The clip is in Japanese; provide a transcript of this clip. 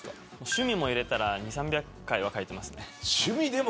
趣味も入れたら２００、３００回描いてます。